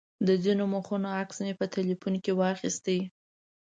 د ځینو مخونو عکس مې په تیلفون کې واخیست.